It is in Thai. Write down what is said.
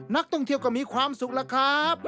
นักท่องเที่ยวก็มีความสุขแล้วครับ